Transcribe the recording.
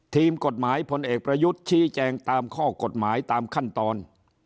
ทีมกฎหมายพลเอกประยุทธ์ชี้แจงตามข้อกฎหมายตามขั้นตอน